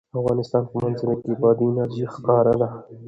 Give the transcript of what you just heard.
د افغانستان په منظره کې بادي انرژي ښکاره ده.